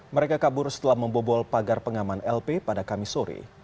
mereka kabur setelah membobol pagar pengaman lp pada kamis sore